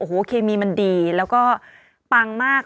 โอ้โหเคมีมันดีแล้วก็ปังมาก